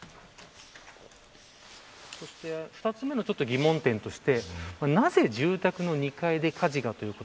そして、２つ目の疑問点としてなぜ住宅の２階で火事がということ。